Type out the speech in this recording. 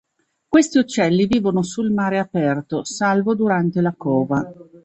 Questi uccelli vivono sul mare aperto salvo durante la cova.